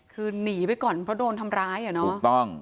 คือหนีไปก่อนเพราะโดนทำร้ายเหรอเนาะ